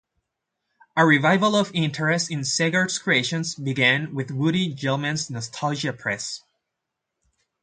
A revival of interest in Segar's creations began with Woody Gelman's Nostalgia Press.